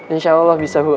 insya allah bisa bu